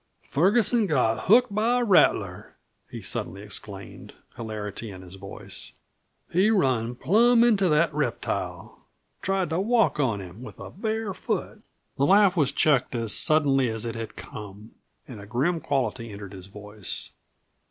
"Ferguson got hooked by a rattler!" he suddenly exclaimed, hilarity in his voice. "He run plum into that reptile; tried to walk on him with a bare foot." The laugh was checked as suddenly as it had come, and a grim quality entered his voice.